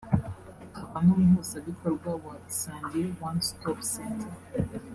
akaba n’umuhuzabikorwa wa Isange One Stop Center